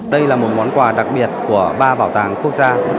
đây là một món quà đặc biệt của ba bảo tàng quốc gia